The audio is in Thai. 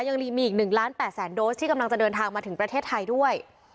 ยังมีอีก๑ล้าน๘แสนโดสที่กำลังจะเดินทางมาถึงประเทศไทยด้วย